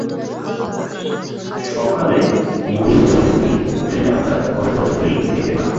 সকালে মনিনুজ্জামানের স্ত্রী সেলিনা আক্তার ঘরের দরজা খুলেই এটি দেখতে পান।